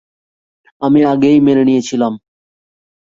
আমি আগেই মেনে নিয়েছিলাম।